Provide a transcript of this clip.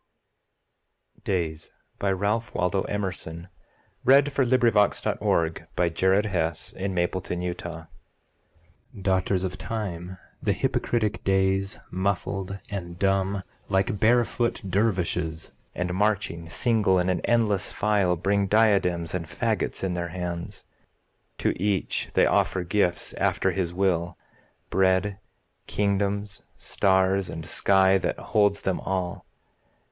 age, the mad wind's night work, The frolic architecture of snow. Ralph Waldo Emerson Days DAUGHTERS of Time, the hypocritic Days, Muffled and dumb like barefoot dervishes, And marching single in an endless file, Bring diadems and faggots in their hands. To each they offer gifts after his will, Bread, kingdoms, stars, and sky that holds them all.